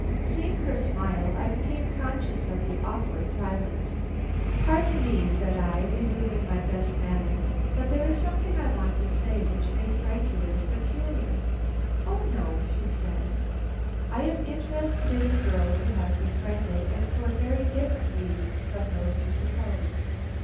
Seeing her smile, I became conscious of the awkward silence. "Pardon me," said I, resuming my best manner, "but there is something I want to say which may strike you as peculiar." "O no," said she. "I am interested in the girl you have befriended, and for very different reasons from those you suppose.